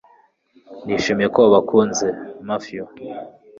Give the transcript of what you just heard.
Nishimiye ko wabakunze, Mathew.